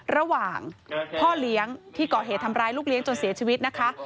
ระหว่างพ่อเลี้ยงที่ก่อเหตุทำร้ายลูกเลี้ยงจนเสียชีวิตนะคะ